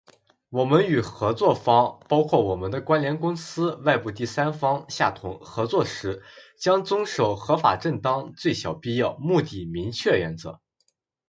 我们与合作方（包括我们的关联公司、外部第三方，下同）合作时，将遵守“合法正当、最小必要、目的明确原则”。